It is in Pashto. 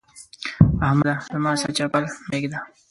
احمده! زما سره چپ پل مه اېږده.